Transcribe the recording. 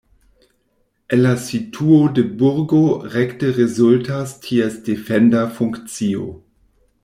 El la situo de burgo rekte rezultas ties defenda funkcio.